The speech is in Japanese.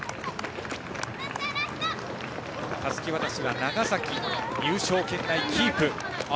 たすき渡しは長崎、優勝圏内キープ。